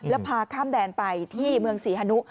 แล้วพาข้ามแดนไปที่เมืองศรีฮนุ